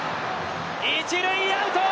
一塁アウト。